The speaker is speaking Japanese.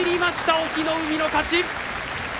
隠岐の海の勝ち。